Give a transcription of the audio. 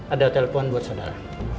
ada telepon buat saudara